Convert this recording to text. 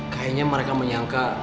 kayanya mereka menyangka